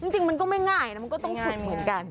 จริงมันก็ไม่ง่ายนะมันก็ต้องฝึกเหมือนกัน